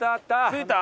着いた？